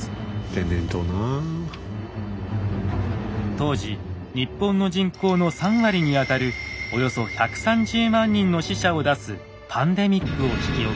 当時日本の人口の３割にあたるおよそ１３０万人の死者を出すパンデミックを引き起こしました。